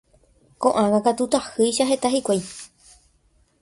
ko'ág̃a katu tahýicha heta hikuái.